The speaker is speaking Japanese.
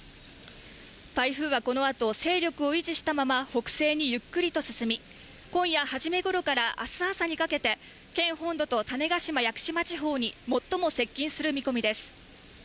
台風はこのあと、勢力を維持したまま、北西にゆっくりと進み、今夜初めごろからあす朝にかけて、県本土と種子島・屋久島地方に最も接近する見込みです。